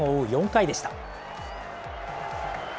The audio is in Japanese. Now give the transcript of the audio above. ４回でした。